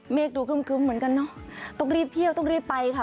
ดูครึ้มเหมือนกันเนอะต้องรีบเที่ยวต้องรีบไปค่ะ